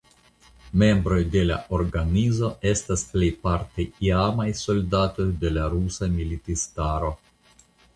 Membroj de la organizo estas plejparte iamaj soldatoj de la rusa militistaro.